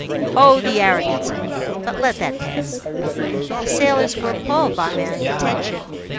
Oh, the arrogance of youth! But let that pass. The sailors were appalled by my intention.